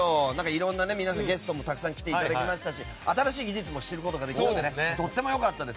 いろんなゲストもたくさん来ていただきまして新しい技術も知ることができてとっても良かったです。